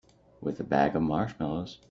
With a bag of marshmallows.